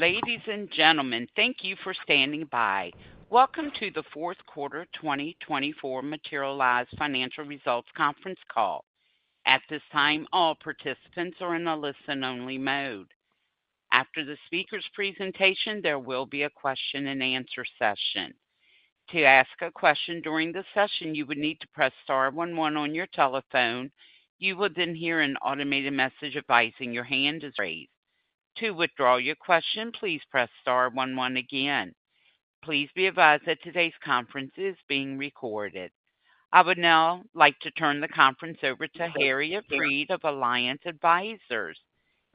Ladies and gentlemen, thank you for standing by. Welcome to the fourth quarter 2024 Materialise Financial Results Conference call. At this time, all participants are in a listen-only mode. After the speaker's presentation, there will be a question-and-answer session. To ask a question during the session, you would need to press star one one on your telephone. You will then hear an automated message advising your hand is raised. To withdraw your question, please press star one one again. Please be advised that today's conference is being recorded. I would now like to turn the conference over to Harriet Fried of Alliance Advisors.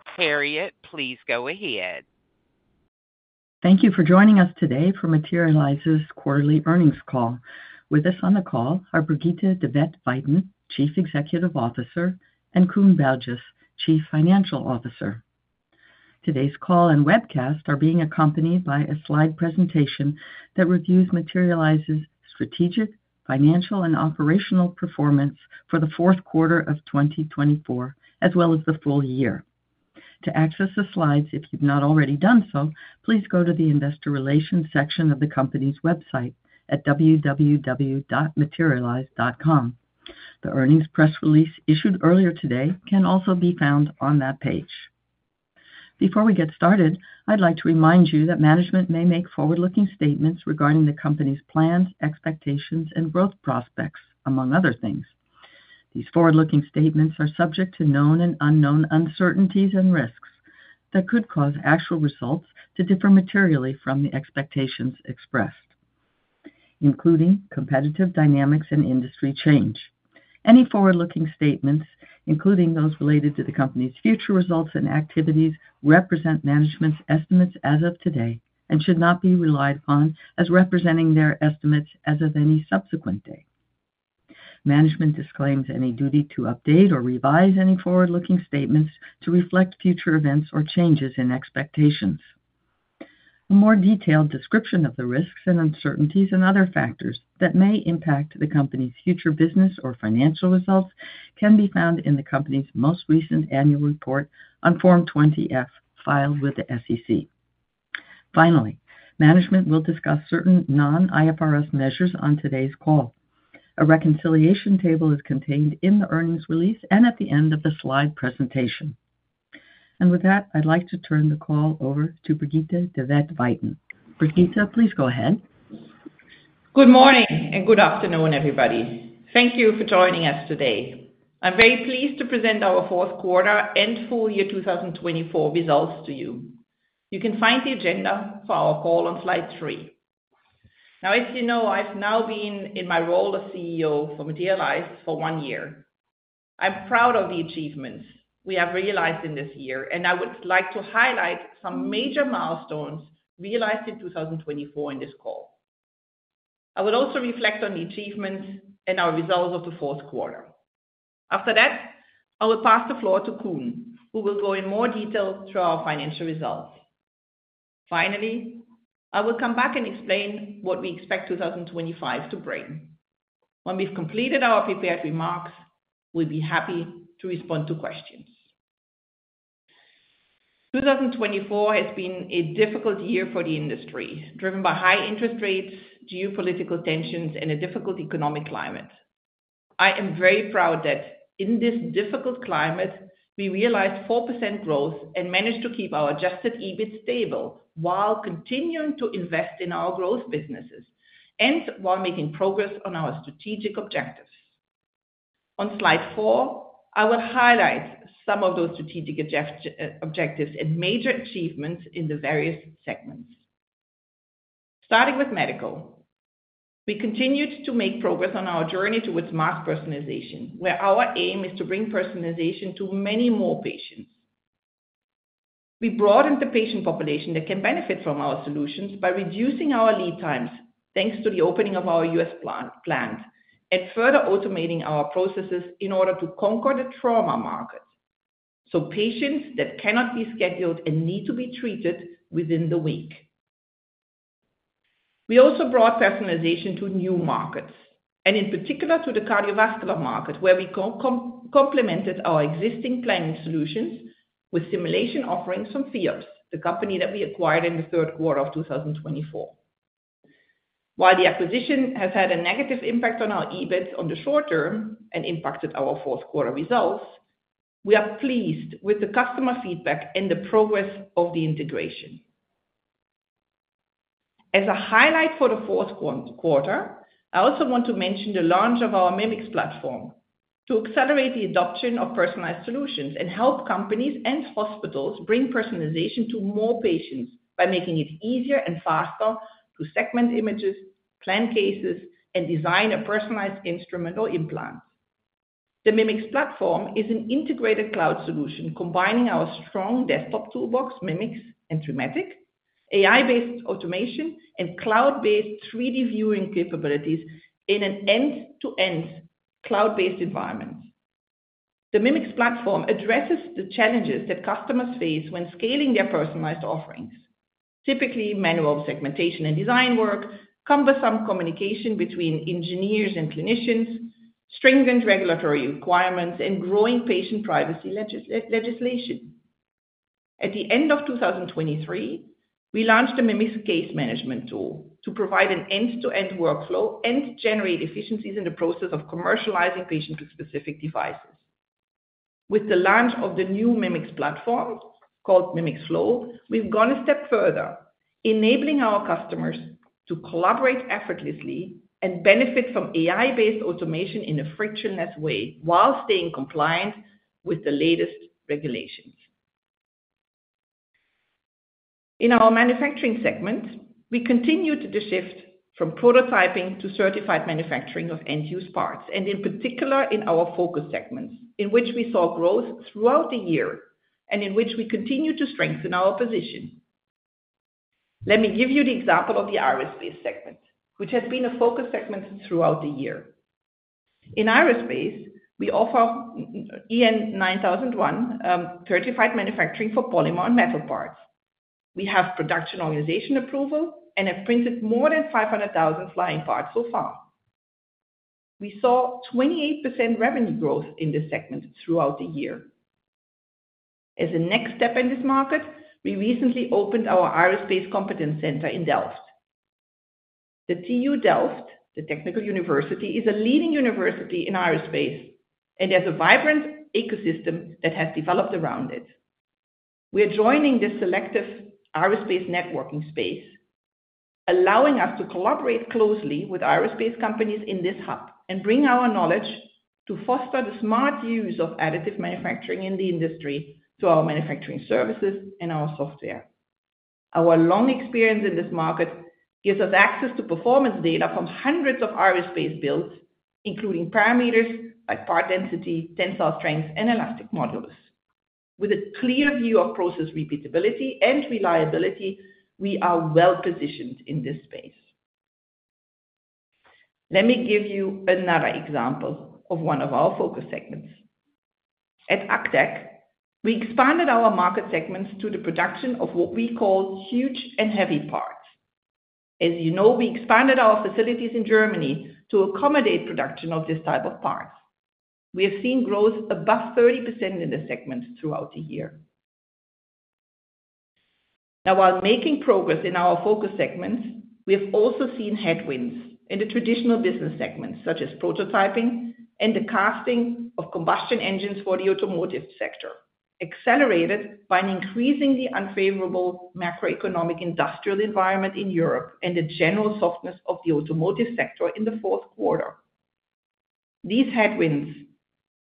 Harriet, please go ahead. Thank you for joining us today for Materialise's quarterly earnings call. With us on the call are Brigitte de Vet-Veithen, Chief Executive Officer, and Koen Berges, Chief Financial Officer. Today's call and webcast are being accompanied by a slide presentation that reviews Materialise's strategic, financial, and operational performance for the fourth quarter of 2024, as well as the full year. To access the slides, if you've not already done so, please go to the investor relations section of the company's website at www.materialise.com. The earnings press release issued earlier today can also be found on that page. Before we get started, I'd like to remind you that management may make forward-looking statements regarding the company's plans, expectations, and growth prospects, among other things. These forward-looking statements are subject to known and unknown uncertainties and risks that could cause actual results to differ materially from the expectations expressed, including competitive dynamics and industry change. Any forward-looking statements, including those related to the company's future results and activities, represent management's estimates as of today and should not be relied upon as representing their estimates as of any subsequent day. Management disclaims any duty to update or revise any forward-looking statements to reflect future events or changes in expectations. A more detailed description of the risks and uncertainties and other factors that may impact the company's future business or financial results can be found in the company's most recent annual report on Form 20-F filed with the SEC. Finally, management will discuss certain non-IFRS measures on today's call. A reconciliation table is contained in the earnings release and at the end of the slide presentation. And with that, I'd like to turn the call over to Brigitte de Vet-Veithen. Brigitte, please go ahead. Good morning and good afternoon, everybody. Thank you for joining us today. I'm very pleased to present our fourth quarter and Full Year 2024 results to you. You can find the agenda for our call on slide three. Now, as you know, I've now been in my role as CEO for Materialise for one year. I'm proud of the achievements we have realized in this year, and I would like to highlight some major milestones realized in 2024 in this call. I would also reflect on the achievements and our results of the fourth quarter. After that, I will pass the floor to Koen, who will go in more detail through our financial results. Finally, I will come back and explain what we expect 2025 to bring. When we've completed our prepared remarks, we'll be happy to respond to questions. 2024 has been a difficult year for the industry, driven by high interest rates, geopolitical tensions, and a difficult economic climate. I am very proud that in this difficult climate, we realized 4% growth and managed to keep our Adjusted EBIT stable while continuing to invest in our growth businesses and while making progress on our strategic objectives. On Slide 4, I will highlight some of those strategic objectives and major achievements in the various segments. Starting with medical, we continued to make progress on our journey towards mass personalization, where our aim is to bring personalization to many more patients. We broadened the patient population that can benefit from our solutions by reducing our lead times thanks to the opening of our U.S. plant and further automating our processes in order to conquer the trauma market, so patients that cannot be scheduled and need to be treated within the week. We also brought personalization to new markets, and in particular to the cardiovascular market, where we complemented our existing planning solutions with simulation offerings from FEops, the company that we acquired in the third quarter of 2024. While the acquisition has had a negative impact on our EBIT on the short term and impacted our fourth quarter results, we are pleased with the customer feedback and the progress of the integration. As a highlight for the fourth quarter, I also want to mention the launch of our Mimics platform to accelerate the adoption of personalized solutions and help companies and hospitals bring personalization to more patients by making it easier and faster to segment images, plan cases, and design a personalized instrument or implant. The Mimics platform is an integrated cloud solution combining our strong desktop toolbox, Mimics and 3-matic, AI-based automation, and cloud-based 3D viewing capabilities in an end-to-end cloud-based environment. The Mimics platform addresses the challenges that customers face when scaling their personalized offerings, typically manual segmentation and design work, cumbersome communication between engineers and clinicians, stringent regulatory requirements, and growing patient privacy legislation. At the end of 2023, we launched a Mimics Case Management tool to provide an end-to-end workflow and generate efficiencies in the process of commercializing patient-specific devices. With the launch of the new Mimics platform called Mimics Flow, we've gone a step further, enabling our customers to collaborate effortlessly and benefit from AI-based automation in a frictionless way while staying compliant with the latest regulations. In our manufacturing segment, we continue to shift from prototyping to certified manufacturing of end-use parts, and in particular in our focus segments, in which we saw growth throughout the year and in which we continue to strengthen our position. Let me give you the example of the aerospace segment, which has been a focus segment throughout the year. In aerospace, we offer EN 9100 certified manufacturing for polymer and metal parts. We have Production Organization Approval and have printed more than 500,000 flying parts so far. We saw 28% revenue growth in this segment throughout the year. As a next step in this market, we recently opened our aerospace competence center in Delft. The TU Delft, the technical university, is a leading university in aerospace and has a vibrant ecosystem that has developed around it. We are joining this selective aerospace networking space, allowing us to collaborate closely with aerospace companies in this hub and bring our knowledge to foster the smart use of additive manufacturing in the industry through our manufacturing services and our software. Our long experience in this market gives us access to performance data from hundreds of aerospace builds, including parameters like part density, tensile strength, and elastic modulus. With a clear view of process repeatability and reliability, we are well positioned in this space. Let me give you another example of one of our focus segments. At ACTech, we expanded our market segments to the production of what we call huge and heavy parts. As you know, we expanded our facilities in Germany to accommodate production of this type of parts. We have seen growth above 30% in the segments throughout the year. Now, while making progress in our focus segments, we have also seen headwinds in the traditional business segments, such as prototyping and the casting of combustion engines for the automotive sector, accelerated by an increasingly unfavorable macroeconomic industrial environment in Europe and the general softness of the automotive sector in the fourth quarter. These headwinds,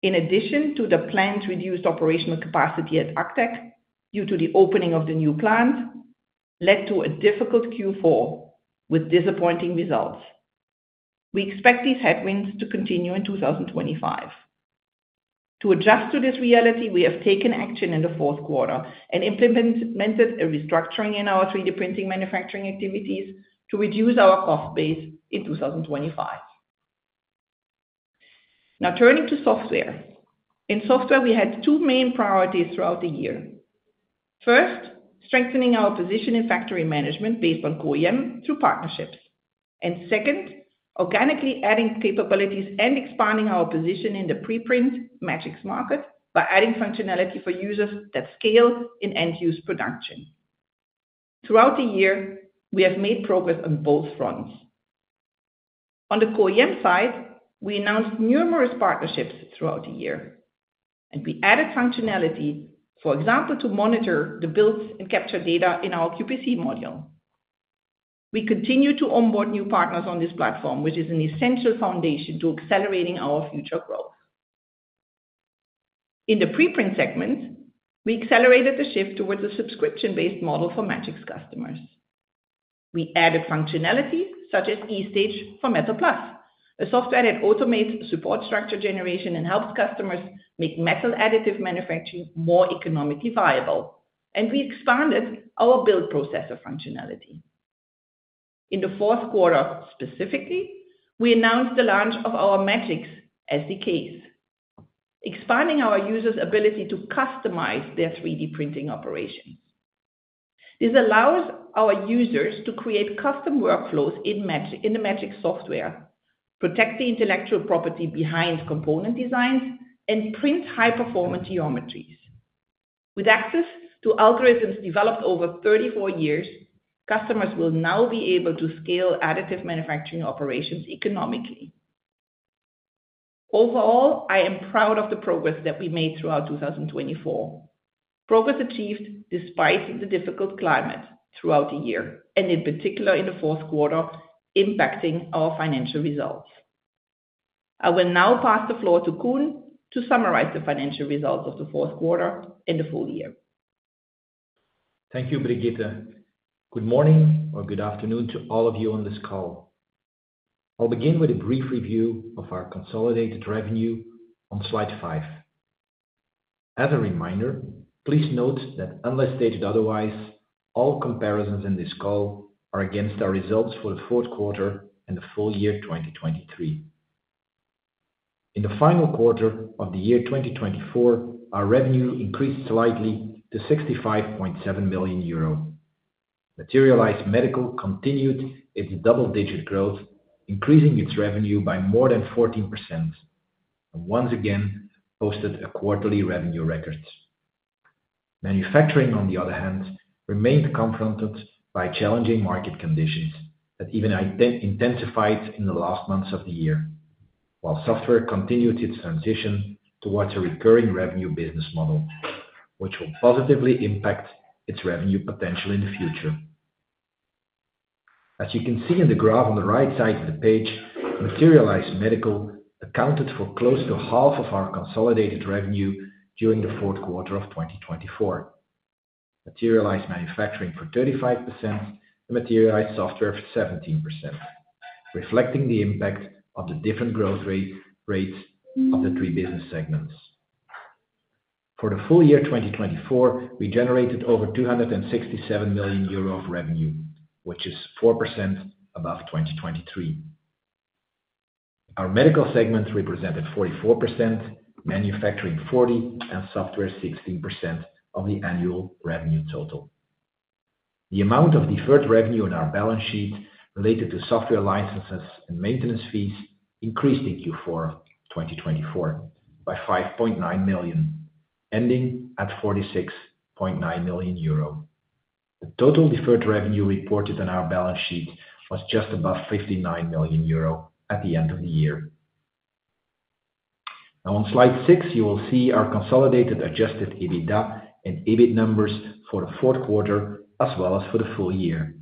in addition to the planned reduced operational capacity at ACTech due to the opening of the new plant, led to a difficult Q4 with disappointing results. We expect these headwinds to continue in 2025. To adjust to this reality, we have taken action in the fourth quarter and implemented a restructuring in our 3D printing manufacturing activities to reduce our cost base in 2025. Now, turning to software. In software, we had two main priorities throughout the year. First, strengthening our position in factory management based on CO-AM through partnerships. And second, organically adding capabilities and expanding our position in the preprint Magics market by adding functionality for users that scale in end-use production. Throughout the year, we have made progress on both fronts. On the CO-AM side, we announced numerous partnerships throughout the year, and we added functionality, for example, to monitor the builds and capture data in our QPC module. We continue to onboard new partners on this platform, which is an essential foundation to accelerating our future growth. In the software segment, we accelerated the shift towards a subscription-based model for Magics customers. We added functionalities such as e-Stage for Metal+, a software that automates support structure generation and helps customers make metal additive manufacturing more economically viable, and we expanded our Build Processor functionality. In the fourth quarter, specifically, we announced the launch of our Magics SDK, expanding our users' ability to customize their 3D printing operations. This allows our users to create custom workflows in the Magics software, protect the intellectual property behind component designs, and print high-performance geometries. With access to algorithms developed over 34 years, customers will now be able to scale additive manufacturing operations economically. Overall, I am proud of the progress that we made throughout 2024, progress achieved despite the difficult climate throughout the year, and in particular in the fourth quarter, impacting our financial results.I will now pass the floor to Koen to summarize the financial results of the fourth quarter and the full year. Thank you, Brigitte. Good morning or good afternoon to all of you on this call. I'll begin with a brief review of our consolidated revenue on Slide 5. As a reminder, please note that unless stated otherwise, all comparisons in this call are against our results for the fourth quarter and the full year 2023. In the final quarter of the year 2024, our revenue increased slightly to 65.7 million euro. Materialise Medical continued its double-digit growth, increasing its revenue by more than 14%, and once again posted quarterly revenue records. Manufacturing, on the other hand, remained confronted by challenging market conditions that even intensified in the last months of the year, while software continued its transition towards a recurring revenue business model, which will positively impact its revenue potential in the future. As you can see in the graph on the right side of the page, Materialise Medical accounted for close to half of our consolidated revenue during the fourth quarter of 2024. Materialise Manufacturing for 35% and Materialise Software for 17%, reflecting the impact of the different growth rates of the three business segments. For the full year 2024, we generated over 267 million euro of revenue, which is 4% above 2023. Our medical segment represented 44%, manufacturing 40%, and software 16% of the annual revenue total. The amount of deferred revenue on our balance sheet related to software licenses and maintenance fees increased in Q4 2024 by 5.9 million, ending at 46.9 million euro. The total deferred revenue reported on our balance sheet was just above 59 million euro at the end of the year. Now, on slide six, you will see our consolidated adjusted EBITDA and EBIT numbers for the fourth quarter as well as for the full year.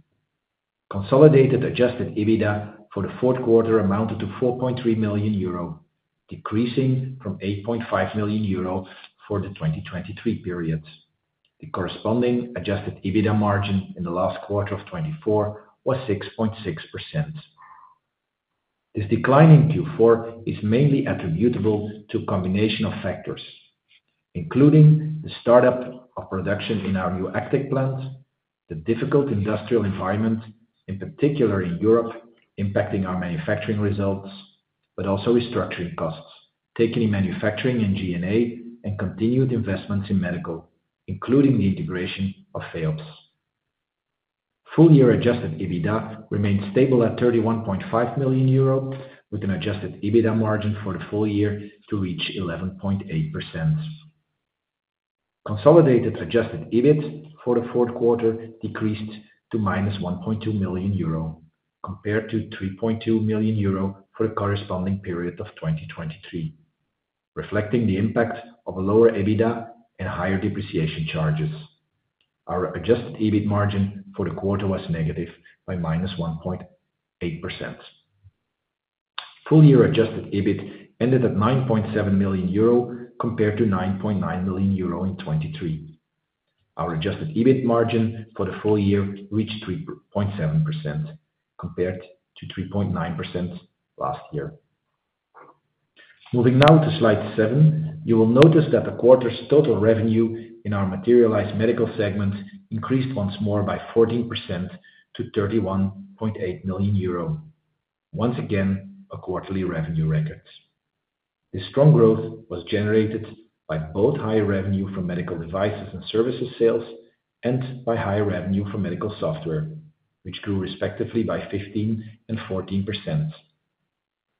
Consolidated adjusted EBITDA for the fourth quarter amounted to 4.3 million euro, decreasing from 8.5 million euro for the 2023 period. The corresponding adjusted EBITDA margin in the last quarter of 2024 was 6.6%. This decline in Q4 is mainly attributable to a combination of factors, including the startup of production in our new ACTech plant, the difficult industrial environment, in particular in Europe, impacting our manufacturing results, but also restructuring costs, taking manufacturing and G&A, and continued investments in medical, including the integration of FEops. Full year adjusted EBITDA remained stable at 31.5 million euro, with an adjusted EBITDA margin for the full year to reach 11.8%. Consolidated adjusted EBIT for the fourth quarter decreased to 1.2 million euro compared to 3.2 million euro for the corresponding period of 2023, reflecting the impact of a lower EBITDA and higher depreciation charges. Our adjusted EBIT margin for the quarter was negative by minus 1.8%. Full year adjusted EBIT ended at 9.7 million euro compared to 9.9 million euro in 2023. Our adjusted EBIT margin for the full year reached 3.7% compared to 3.9% last year. Moving now to slide seven, you will notice that the quarter's total revenue in our Materialise Medical segment increased once more by 14% to 31.8 million euro. Once again, quarterly revenue records. This strong growth was generated by both higher revenue from medical devices and services sales and by higher revenue from medical software, which grew respectively by 15% and 14%.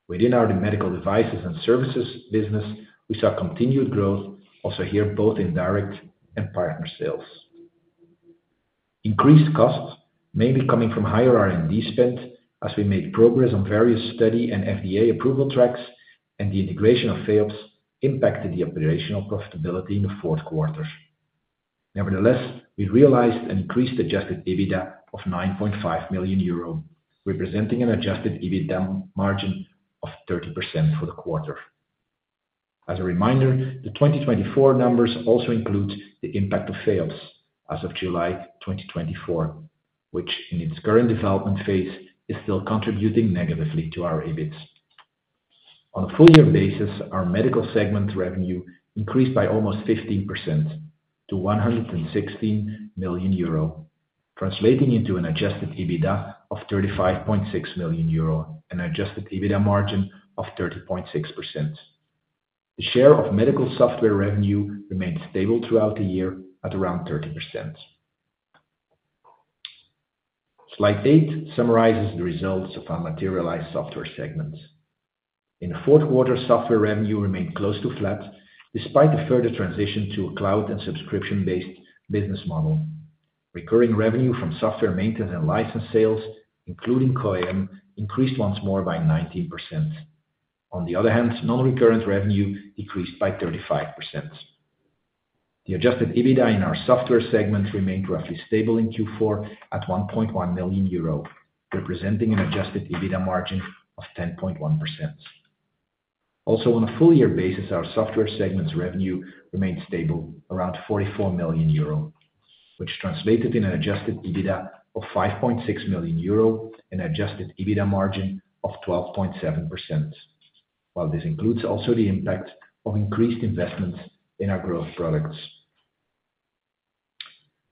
Within our medical devices and services business, we saw continued growth also here both in direct and partner sales. Increased costs mainly coming from higher R&D spend as we made progress on various study and FDA approval tracks, and the integration of FEops impacted the operational profitability in the fourth quarter. Nevertheless, we realized an increased Adjusted EBITDA of 9.5 million euro, representing an Adjusted EBITDA margin of 30% for the quarter. As a reminder, the 2024 numbers also include the impact of FEops as of July 2024, which in its current development phase is still contributing negatively to our EBIT. On a full year basis, our medical segment revenue increased by almost 15% to 116 million euro, translating into an Adjusted EBITDA of 35.6 million euro and an Adjusted EBITDA margin of 30.6%. The share of medical software revenue remained stable throughout the year at around 30%. Slide eight summarizes the results of our Materialise software segments. In the fourth quarter, software revenue remained close to flat despite the further transition to a cloud and subscription-based business model. Recurring revenue from software maintenance and license sales, including CO-AM, increased once more by 19%. On the other hand, non-recurrent revenue decreased by 35%. The adjusted EBITDA in our software segment remained roughly stable in Q4 at 1.1 million euro, representing an adjusted EBITDA margin of 10.1%. Also, on a full year basis, our software segment revenue remained stable around 44 million euro, which translated in an adjusted EBITDA of 5.6 million euro and an adjusted EBITDA margin of 12.7%, while this includes also the impact of increased investments in our growth products.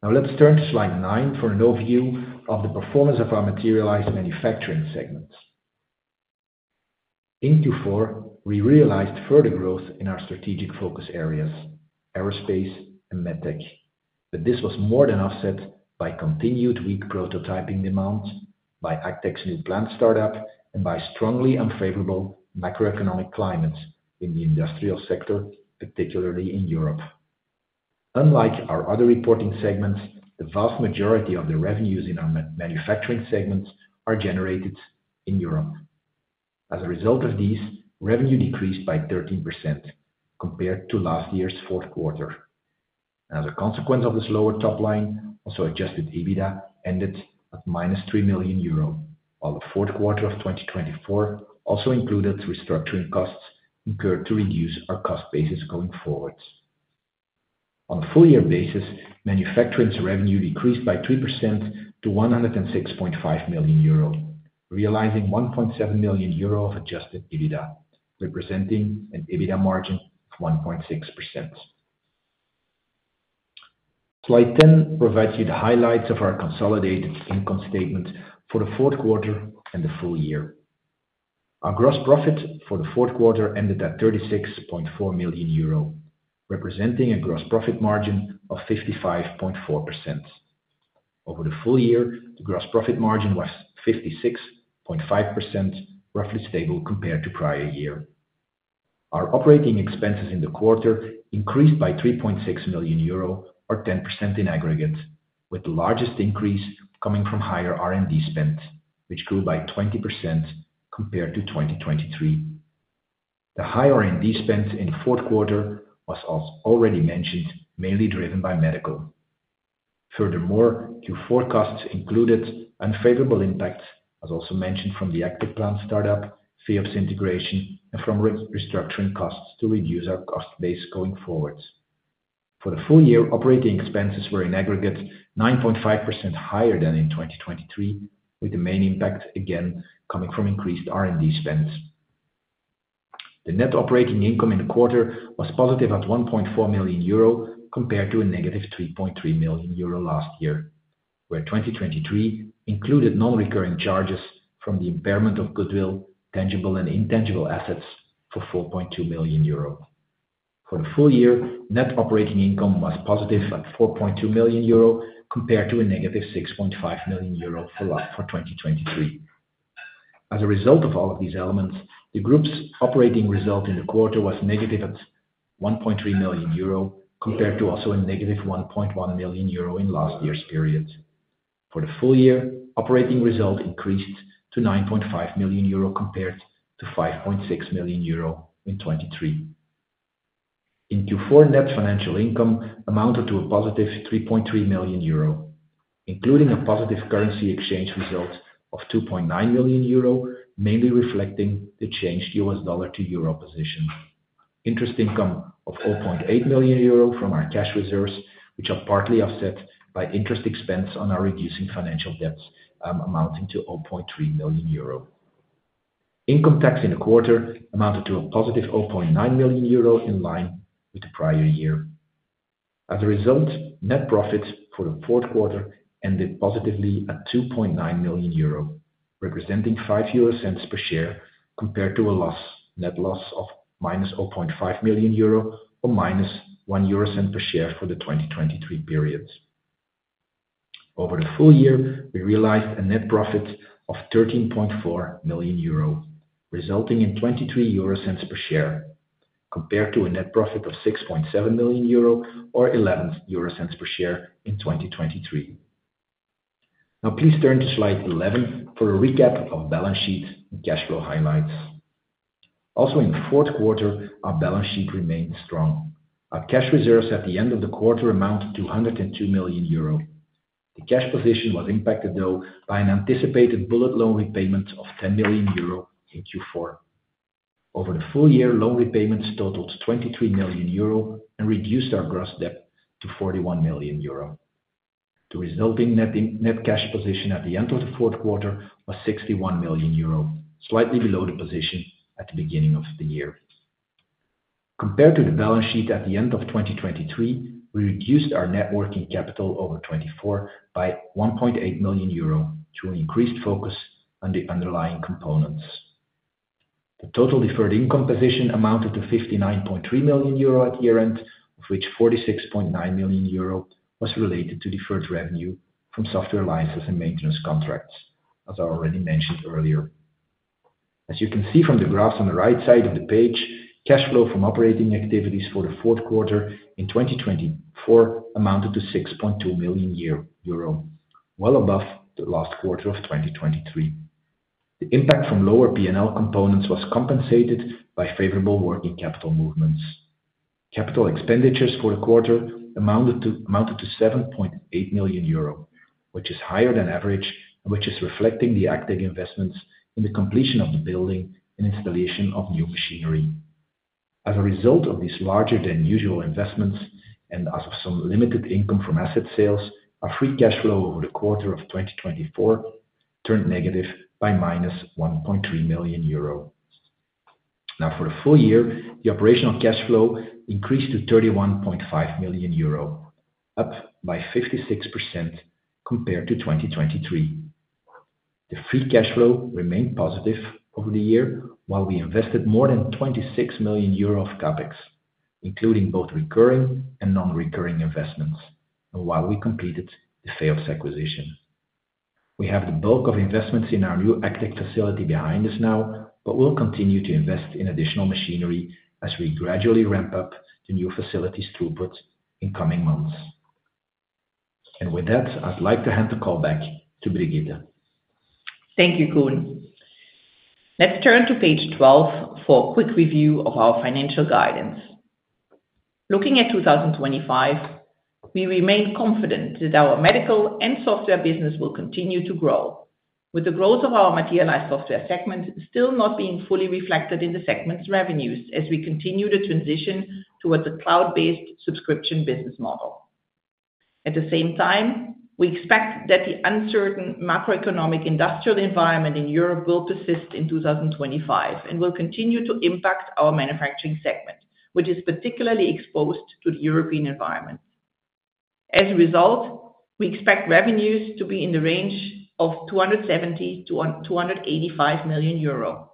Now, let's turn to slide nine for an overview of the performance of our Materialise manufacturing segment. In Q4, we realized further growth in our strategic focus areas, aerospace and medtech, but this was more than offset by continued weak prototyping demand by ACTech's new plant startup and by strongly unfavorable macroeconomic climates in the industrial sector, particularly in Europe. Unlike our other reporting segments, the vast majority of the revenues in our manufacturing segments are generated in Europe. As a result of these, revenue decreased by 13% compared to last year's fourth quarter. As a consequence of this lower top line, also adjusted EBITDA ended at 3 million euro, while the fourth quarter of 2024 also included restructuring costs incurred to reduce our cost basis going forward. On a full year basis, manufacturing revenue decreased by 3% to 106.5 million euro, realizing 1.7 million euro of adjusted EBITDA, representing an EBITDA margin of 1.6%. Slide 10 provides you the highlights of our consolidated income statement for the fourth quarter and the full year. Our gross profit for the fourth quarter ended at 36.4 million euro, representing a gross profit margin of 55.4%. Over the full year, the gross profit margin was 56.5%, roughly stable compared to prior year. Our operating expenses in the quarter increased by 3.6 million euro, or 10% in aggregate, with the largest increase coming from higher R&D spend, which grew by 20% compared to 2023. The high R&D spend in the fourth quarter was, as already mentioned, mainly driven by medical. Furthermore, Q4 costs included unfavorable impacts, as also mentioned, from the ACTech plant startup, FEops integration, and from restructuring costs to reduce our cost base going forward. For the full year, operating expenses were in aggregate 9.5% higher than in 2023, with the main impact again coming from increased R&D spend. The net operating income in the quarter was positive at 1.4 million euro compared to a negative 3.3 million euro last year, where 2023 included non-recurring charges from the impairment of goodwill, tangible and intangible assets for 4.2 million euro. For the Full Year, net operating income was positive at 4.2 million euro compared to a negative 6.5 million euro for 2023. As a result of all of these elements, the group's operating result in the quarter was negative at 1.3 million euro compared to also a negative 1.1 million euro in last year's period. For the full year, operating result increased to 9.5 million euro compared to 5.6 million euro in 2023. In Q4, net financial income amounted to a positive 3.3 million euro, including a positive currency exchange result of 2.9 million euro, mainly reflecting the changed US dollar to euro position. Interest income of 0.8 million euro from our cash reserves, which are partly offset by interest expense on our reducing financial debt, amounting to 0.3 million euro. Income tax in the quarter amounted to a positive 0.9 million euro in line with the prior year. As a result, net profit for the fourth quarter ended positively at 2.9 million euro, representing 5 euro per share compared to a net loss of minus 0.5 million euro or minus 1 euro per share for the 2023 period. Over the full year, we realized a net profit of 13.4 million euro, resulting in 23 euro per share compared to a net profit of 6.7 million euro or 11 euro per share in 2023. Now, please turn to slide 11 for a recap of balance sheet and cash flow highlights. Also, in the fourth quarter, our balance sheet remained strong. Our cash reserves at the end of the quarter amounted to 102 million euro. The cash position was impacted, though, by an anticipated bullet loan repayment of 10 million euro in Q4. Over the full year, loan repayments totaled 23 million euro and reduced our gross debt to 41 million euro. The resulting net cash position at the end of the fourth quarter was 61 million euro, slightly below the position at the beginning of the year. Compared to the balance sheet at the end of 2023, we reduced our net working capital over 2024 by 1.8 million euro through an increased focus on the underlying components. The total deferred income position amounted to 59.3 million euro at year-end, of which 46.9 million euro was related to deferred revenue from software license and maintenance contracts, as I already mentioned earlier. As you can see from the graphs on the right side of the page, cash flow from operating activities for the fourth quarter in 2024 amounted to 6.2 million euro, well above the last quarter of 2023. The impact from lower P&L components was compensated by favorable working capital movements. Capital expenditures for the quarter amounted to 7.8 million euro, which is higher than average and which is reflecting the ACTech investments in the completion of the building and installation of new machinery. As a result of these larger-than-usual investments and as well as some limited income from asset sales, our free cash flow over the quarter of 2024 turned negative by minus 1.3 million euro. Now, for the full year, the operational cash flow increased to 31.5 million euro, up by 56% compared to 2023. The free cash flow remained positive over the year, while we invested more than 26 million euro of CapEx, including both recurring and non-recurring investments, and while we completed the FEops acquisition. We have the bulk of investments in our new ACTech facility behind us now, but we'll continue to invest in additional machinery as we gradually ramp up the new facility's throughput in coming months. And with that, I'd like to hand the call back to Brigitte. Thank you, Koen. Let's turn to Page 12 for a quick review of our financial guidance. Looking at 2025, we remain confident that our medical and software business will continue to grow, with the growth of our Materialise software segment still not being fully reflected in the segment's revenues as we continue to transition towards a cloud-based subscription business model. At the same time, we expect that the uncertain macroeconomic industrial environment in Europe will persist in 2025 and will continue to impact our manufacturing segment, which is particularly exposed to the European environment. As a result, we expect revenues to be in the range of 270 million-285 million euro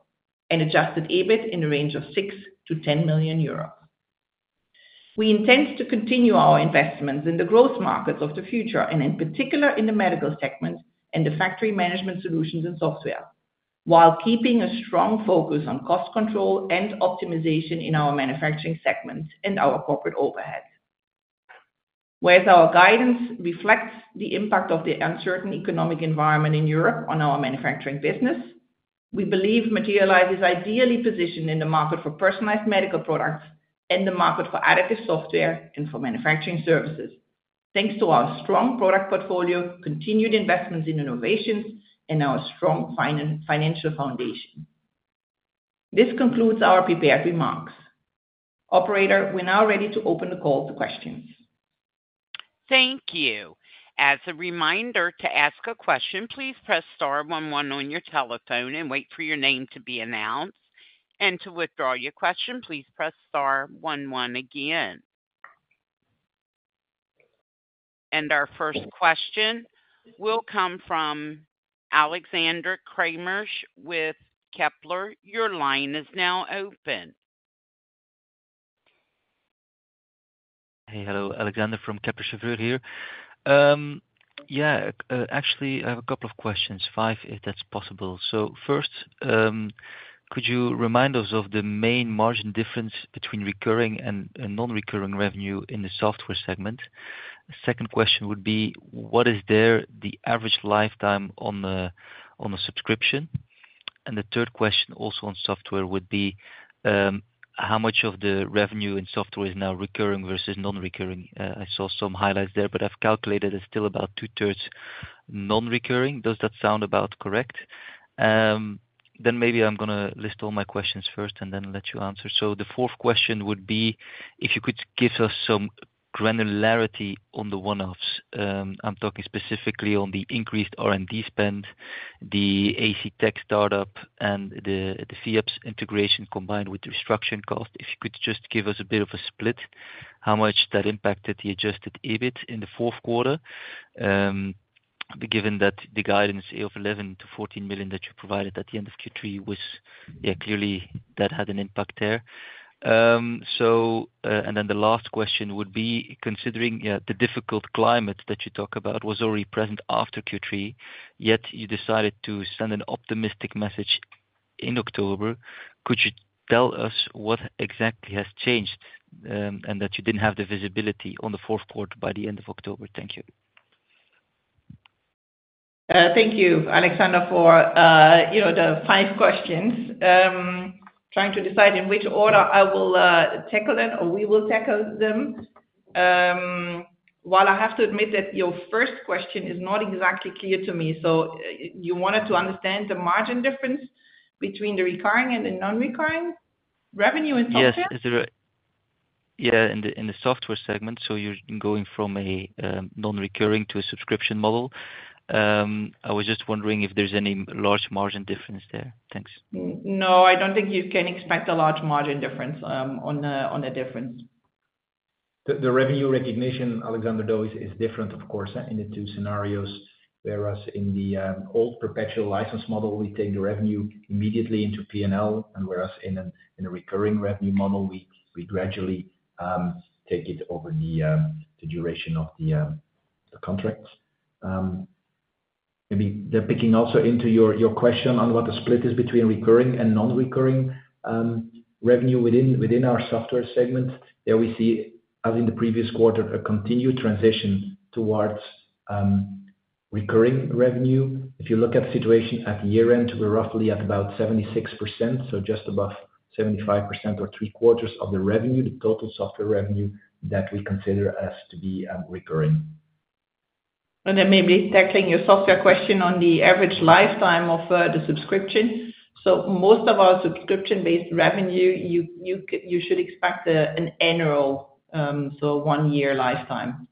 and adjusted EBIT in the range of 6 million-10 million euro. We intend to continue our investments in the growth markets of the future and in particular in the medical segment and the factory management solutions and software, while keeping a strong focus on cost control and optimization in our manufacturing segment and our corporate overhead. Whereas our guidance reflects the impact of the uncertain economic environment in Europe on our manufacturing business, we believe Materialise is ideally positioned in the market for personalized medical products and the market for additive software and for manufacturing services, thanks to our strong product portfolio, continued investments in innovations, and our strong financial foundation. This concludes our prepared remarks. Operator, we're now ready to open the call for questions. Thank you. As a reminder to ask a question, please press star one one on your telephone and wait for your name to be announced. And to withdraw your question, please press star one one again. And our first question will come from Alexander Kremers with Kepler Cheuvreux. Your line is now open. Hey, hello. Alexander from Kepler Cheuvreux here. Yeah, actually, I have a couple of questions, five if that's possible. So first, could you remind us of the main margin difference between recurring and non-recurring revenue in the software segment? Second question would be, what is there the average lifetime on a subscription? And the third question also on software would be, how much of the revenue in software is now recurring versus non-recurring? I saw some highlights there, but I've calculated it's still about two-thirds non-recurring. Does that sound about correct? Then maybe I'm going to list all my questions first and then let you answer. So the fourth question would be, if you could give us some granularity on the one-offs. I'm talking specifically on the increased R&D spend, the ACTech startup, and the FEops integration combined with the restructuring cost. If you could just give us a bit of a split, how much that impacted the adjusted EBIT in the fourth quarter, given that the guidance of 11 million-14 million that you provided at the end of Q3 was, yeah, clearly that had an impact there. And then the last question would be, considering the difficult climate that you talk about was already present after Q3, yet you decided to send an optimistic message in October, could you tell us what exactly has changed and that you didn't have the visibility on the fourth quarter by the end of October? Thank you. Thank you, Alexander, for the five questions. Trying to decide in which order I will tackle them or we will tackle them, well, I have to admit that your first question is not exactly clear to me. So you wanted to understand the margin difference between the recurring and the non-recurring revenue and software? Yes, in the software segment. So you're going from a non-recurring to a subscription model. I was just wondering if there's any large margin difference there. Thanks. No, I don't think you can expect a large margin difference on the difference. The revenue recognition, Alexander, though, is different, of course, in the two scenarios. Whereas in the old perpetual license model, we take the revenue immediately into P&L, and whereas in a recurring revenue model, we gradually take it over the duration of the contract. Maybe picking up on your question on what the split is between recurring and non-recurring revenue within our software segment, there we see, as in the previous quarter, a continued transition towards recurring revenue. If you look at the situation at year-end, we're roughly at about 76%, so just above 75% or three-quarters of the revenue, the total software revenue that we consider as to be recurring. And then maybe tackling your software question on the average lifetime of the subscription. So most of our subscription-based revenue, you should expect an annual, so one-year lifetime.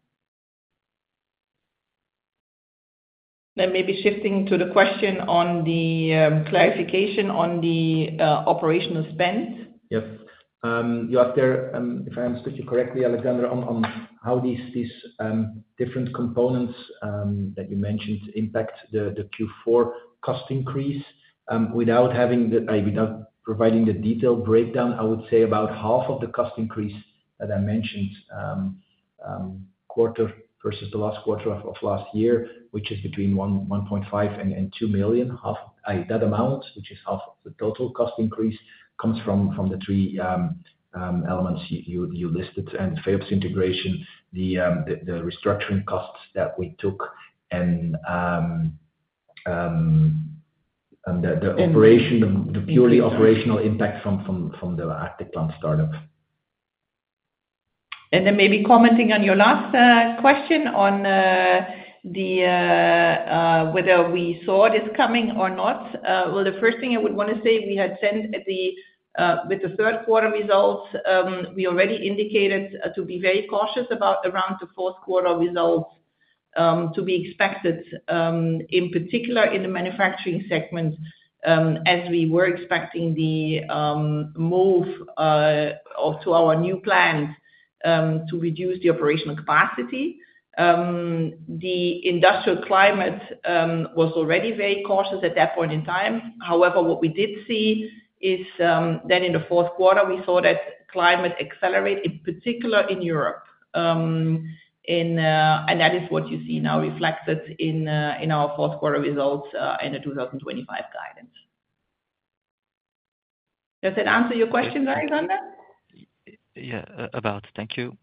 Then maybe shifting to the question on the clarification on the operational spend. Yes. You asked there, if I understood you correctly, Alexander, on how these different components that you mentioned impact the Q4 cost increase. Without providing the detailed breakdown, I would say about half of the cost increase that I mentioned, quarter versus the last quarter of last year, which is between 1.5 million and 2 million, that amount, which is half of the total cost increase, comes from the three elements you listed: the FEops integration, the restructuring costs that we took, and the purely operational impact from the ACTech startup. Then maybe commenting on your last question on whether we saw this coming or not, well, the first thing I would want to say, we had sent with the third quarter results, we already indicated to be very cautious about around the fourth quarter results to be expected, in particular in the manufacturing segment, as we were expecting the move to our new plant to reduce the operational capacity. The industrial climate was already very cautious at that point in time. However, what we did see is that in the fourth quarter, we saw that climate accelerate, in particular in Europe. That is what you see now reflected in our fourth quarter results and the 2025 guidance. Does that answer your question, Alexander? Yeah, about. Thank you.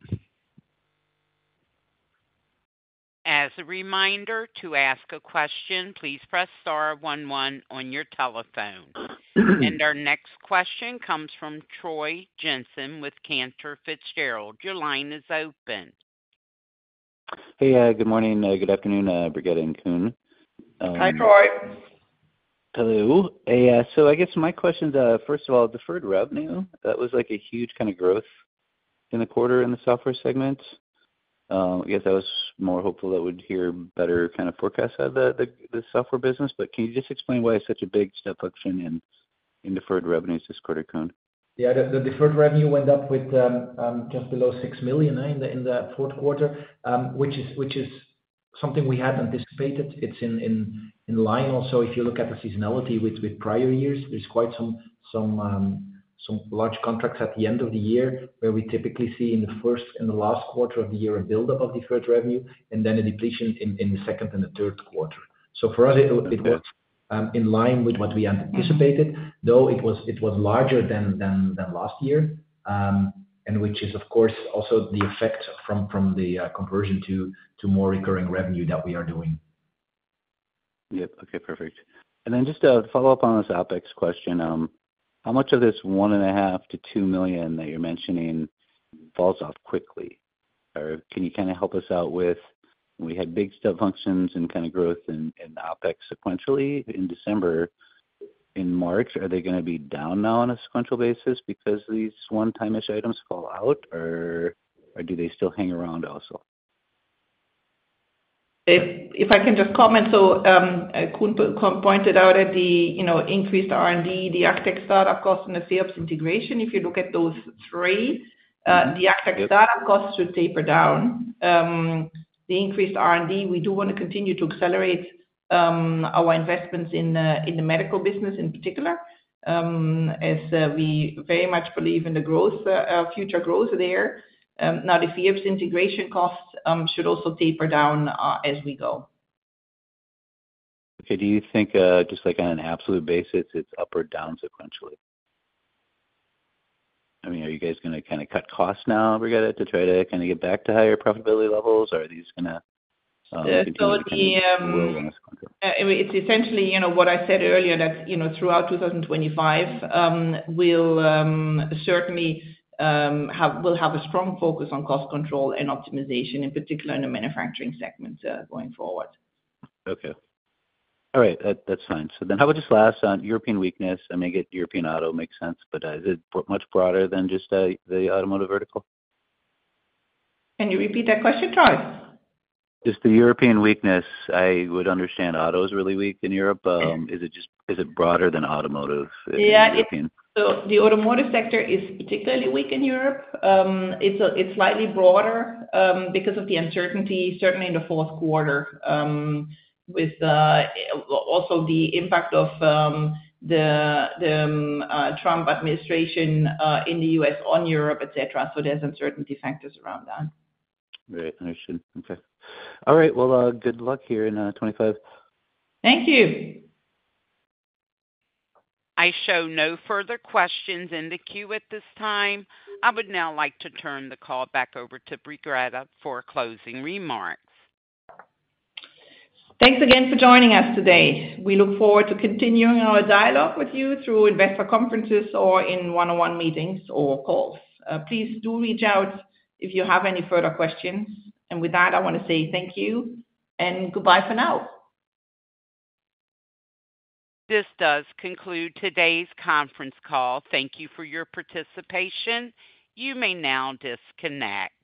As a reminder to ask a question, please press star one one on your telephone. Our next question comes from Troy Jensen with Cantor Fitzgerald. Your line is open. Hey, good morning. Good afternoon, Brigitte and Koen. Hi, Troy. Hello. So I guess my questions, first of all, deferred revenue, that was a huge kind of growth in the quarter in the software segment. Yes, I was more hopeful that we'd hear better kind of forecasts out of the software business, but can you just explain why it's such a big step function in deferred revenues this quarter, Koen? Yeah, the deferred revenue went up with just below 6 million in the fourth quarter, which is something we had anticipated. It's in line also, if you look at the seasonality with prior years, there's quite some large contracts at the end of the year where we typically see in the first and the last quarter of the year a build-up of deferred revenue and then a depletion in the second and the third quarter. So for us, it was in line with what we anticipated, though it was larger than last year, and which is, of course, also the effect from the conversion to more recurring revenue that we are doing. Yep. Okay, perfect. And then just to follow up on this APEX question, how much of this 1.5 million-2 million that you're mentioning falls off quickly? Or can you kind of help us out with, we had big step functions and kind of growth in APEX sequentially in December. In March, are they going to be down now on a sequential basis because these one-time-ish items fall out, or do they still hang around also? If I can just comment, so Koen pointed out the increased R&D, the ACTech startup cost, and the FEops integration. If you look at those three, the ACTech startup costs should taper down. The increased R&D, we do want to continue to accelerate our investments in the medical business in particular, as we very much believe in the future growth there. Now, the FEops integration costs should also taper down as we go. Okay. Do you think just on an absolute basis, it's up or down sequentially? I mean, are you guys going to kind of cut costs now, Brigitte, to try to kind of get back to higher profitability levels, or are these going to continue to grow along sequentially? It's essentially what I said earlier, that throughout 2025, we'll certainly have a strong focus on cost control and optimization, in particular in the manufacturing segment going forward. Okay. All right. That's fine. So then how about just last on European weakness? I mean, I guess European auto makes sense, but is it much broader than just the automotive vertical? Can you repeat that question, Troy? Just the European weakness, I would understand auto is really weak in Europe. Is it broader than automotive? Yeah. So the automotive sector is particularly weak in Europe. It's slightly broader because of the uncertainty, certainly in the fourth quarter, with also the impact of the Trump administration in the US on Europe, etc. So there's uncertainty factors around that. Right. Understood. Okay. All right. Well, good luck here in 2025. Thank you. I show no further questions in the queue at this time. I would now like to turn the call back over to Brigitte for closing remarks. Thanks again for joining us today. We look forward to continuing our dialogue with you through investor conferences or in one-on-one meetings or calls. Please do reach out if you have any further questions. And with that, I want to say thank you and goodbye for now. This does conclude today's conference call. Thank you for your participation. You may now disconnect.